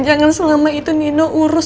jangan selama itu nino urus